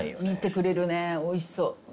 見てくれるねおいしそう。